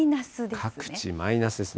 各地、マイナスですね。